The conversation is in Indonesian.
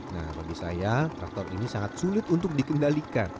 nah bagi saya traktor ini sangat sulit untuk dikendalikan